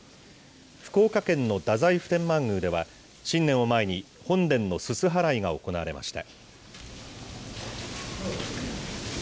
福岡県の太宰府天満宮では、新年を前に、本殿のすす払いが行われました。